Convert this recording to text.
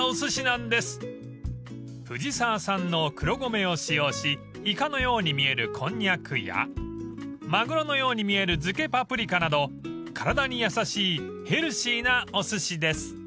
［藤沢産の黒米を使用しイカのように見えるコンニャクやマグロのように見える漬けパプリカなど体に優しいヘルシーなおすしです］